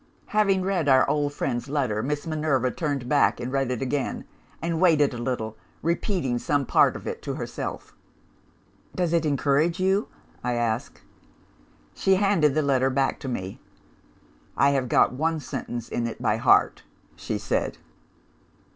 "Having read our old friend's letter, Miss Minerva turned back, and read it again and waited a little, repeating some part of it to herself. "'Does it encourage you?' I asked. "She handed the letter back to me. 'I have got one sentence in it by heart,' she said.